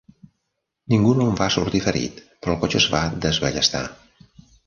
Ningú no en va sortir ferit, però el cotxe es va desballestar.